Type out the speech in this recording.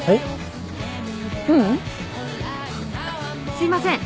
すいません。